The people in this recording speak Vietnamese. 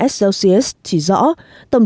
slcs chỉ rõ tổng